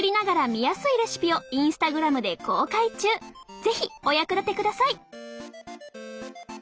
是非お役立てください！